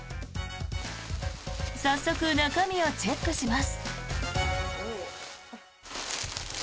早速、中身をチェックします。